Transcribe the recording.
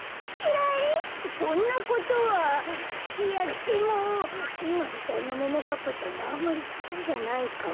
そんなことはいやでもいまみたいなももかっぱちゃんはあんまりすきじゃないかも。